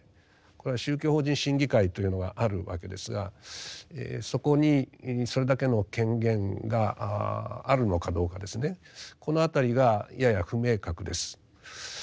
これは宗教法人審議会というのがあるわけですがそこにそれだけの権限があるのかどうかですねこの辺りがやや不明確です。